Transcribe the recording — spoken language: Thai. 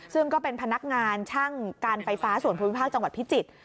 ซึ่งก็เป็นพนักงานช่างการไฟฟ้าส่วนภูมิภาคจังหวัดพิจิตร